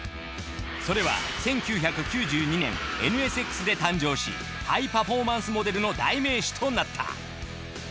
それは１９９２年ＮＳＸで誕生しハイパフォーマンスモデルの代名詞となった。